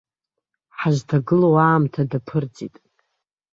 Ҳазҭагылоу аамҭа даԥырҵит!